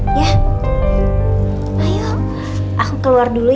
ayo aku keluar dulu ya ja